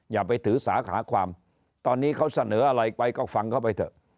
อย่าไปถือสาขาความตอนนี้เขาเสนออะไรไปก็ฟังเขาไปเถอะ